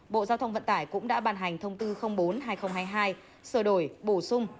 bộ giao thông vận tải cũng đã bàn hành thông tư bốn hai nghìn hai mươi hai sửa đổi bổ sung